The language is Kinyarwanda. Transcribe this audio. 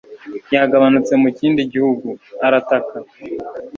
yagabanutse mu kindi gihugu, arataka